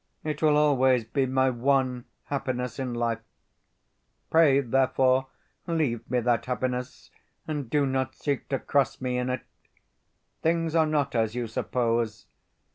It will always be my one happiness in life. Pray, therefore, leave me that happiness, and do not seek to cross me in it. Things are not as you suppose.